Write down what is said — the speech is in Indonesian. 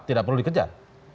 tidak perlu dikejar